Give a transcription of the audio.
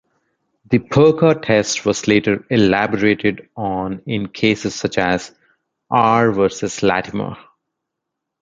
The Perka test was later elaborated on in cases such as "R. versus Latimer".